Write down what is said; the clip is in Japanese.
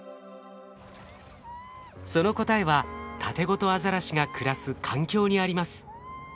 その答えはタテゴトアザラシが暮らす環境にあります。